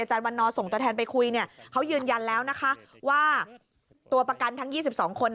อาจารย์วันนอส่งตัวแทนไปคุยเนี่ยเขายืนยันแล้วนะคะว่าตัวประกันทั้งยี่สิบสองคน